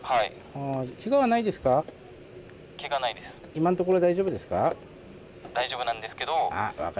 今のところ大丈夫ですか？